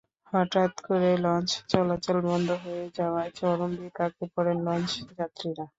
হঠাত্ করে লঞ্চ চলাচল বন্ধ হয়ে যাওয়ায় চরম বিপাকে পড়েন লঞ্চ যাত্রীরা।